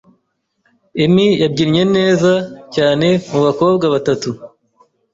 Emi yabyinnye neza cyane mubakobwa batatu.